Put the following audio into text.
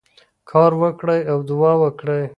کار وکړئ او دعا وکړئ.